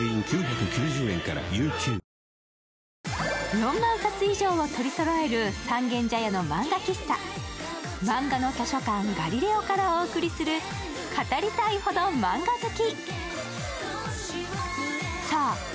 ４万冊以上を取りそろえる三軒茶屋の漫画喫茶、まんがの図書館ガリレオからお送りする、「語りたいほどマンガ好き」。